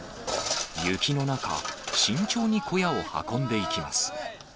雪の中、慎重に小屋を運んでいきます。